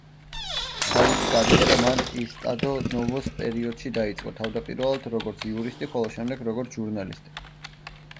თავისი კარიერა მან ესტადო-ნოვოს პერიოდში დაიწყო, თავდაპირველად, როგორც იურისტი, ხოლო შემდეგ როგორც ჟურნალისტი.